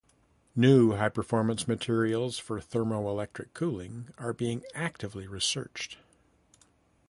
New high-performance materials for thermoelectric cooling are being actively researched.